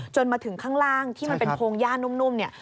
มาถึงข้างล่างที่มันเป็นโพงย่านุ่มเนี่ย